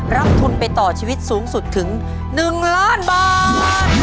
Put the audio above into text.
รับทุนไปต่อชีวิตสูงสุดถึง๑ล้านบาท